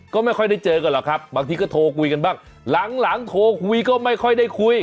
ก็ไม่ค่อยได้เจอกันหรอกครับบางทีก็โทรคุยกันบ้างหลังโทรคุยก็ไม่ค่อยได้คุย